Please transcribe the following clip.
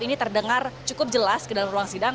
ini terdengar cukup jelas ke dalam ruang sidang